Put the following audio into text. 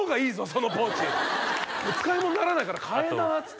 そのポーチ使いものにならないから変えなっつってね